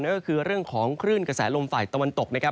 ก็คือเรื่องของคลื่นกระแสลมฝ่ายตะวันตก